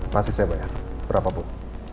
masih saya bayar berapapun